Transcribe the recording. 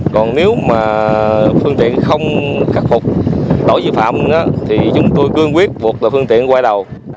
còn nếu mà phương tiện không khắc phục lỗi vi phạm thì chúng tôi cương quyết buộc là phương tiện quay đầu